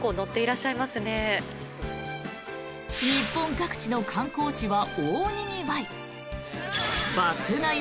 日本各地の観光地は大にぎわい。